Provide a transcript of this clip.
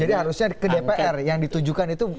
jadi harusnya ke dpr yang ditujukan itu